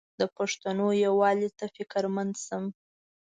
د پښتنو یووالي ته فکرمند شم.